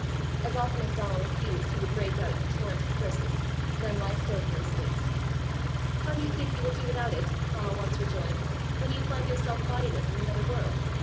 As often as Donal refused he would break out in a torrent of curses, then lie still for a space. "How do you think you will do without it," Donal once rejoined, "when you find yourself bodiless in the other world?"